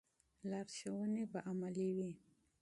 لارښوونې به عملي وي.